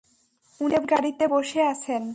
উনি গাড়িতে বসে আছেন।